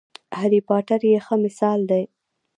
هرې پاټر یې ښه مثال دی.